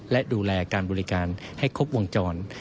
และดูแลการบริการให้ครบวงจร